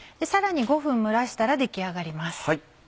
さらに５分蒸らしたら出来上がります。